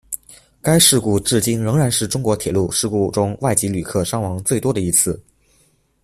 该事故至今仍然是中国铁路事故中外籍旅客伤亡最多的一次。